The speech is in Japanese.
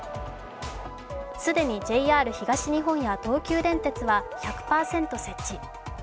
既にＪＲ東日本や東急電鉄は１００％設置。